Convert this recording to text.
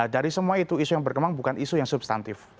dari semua itu isu yang berkembang bukan isu yang substantif